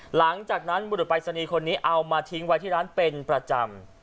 หลังจากนั้นบุรุษปรายศนีย์คนนี้เอามาทิ้งไว้ที่ร้านเป็นประจำ